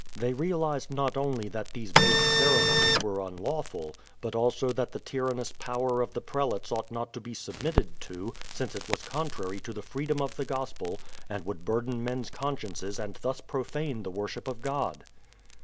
They realized not only that these base ceremonies were unlawful, but also that the tyrannous power of the prelates ought not to be submitted to, since it was contrary to the freedom of the gospel and would burden men's con sciences and thus profane the worship of God.